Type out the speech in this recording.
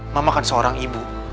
mama kan seorang ibu